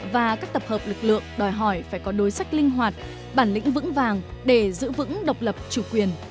và các tập hợp lực lượng đòi hỏi phải có đối sách linh hoạt bản lĩnh vững vàng để giữ vững độc lập chủ quyền